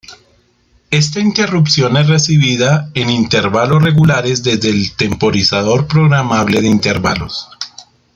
Esta interrupción es recibida en intervalos regulares desde el temporizador programable de intervalos.